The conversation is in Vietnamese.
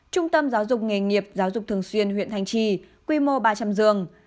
trung tâm giáo dục nghề nghiệp giáo dục thường xuyên huyện thanh trì quy mô ba trăm linh giường